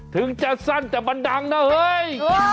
ถึงจะสั้นแต่มันดังนะเฮ้ย